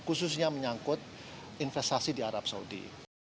khususnya menyangkut investasi di arab saudi